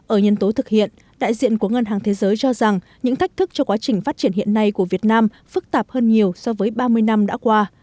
ở nhân tố thực hiện đại diện của ngân hàng thế giới cho rằng những thách thức cho quá trình phát triển hiện nay của việt nam phức tạp hơn nhiều so với ba mươi năm đã qua